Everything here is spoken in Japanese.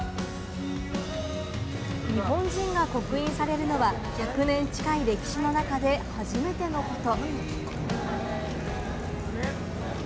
日本人が刻印されるのは１００年近い歴史の中で初めてのこと。